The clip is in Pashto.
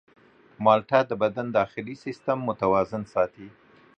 مالټه د بدن داخلي سیستم متوازن ساتي.